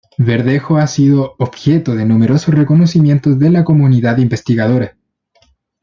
Verdejo ha sido objeto de numerosos reconocimientos de la comunidad investigadora.